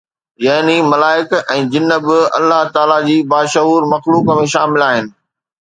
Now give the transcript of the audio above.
يعني ملائڪ ۽ جن به الله تعاليٰ جي باشعور مخلوق ۾ شامل آهن